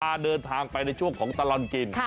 เดินทางไปในช่วงของตลอดกิน